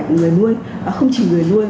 của người nuôi không chỉ người nuôi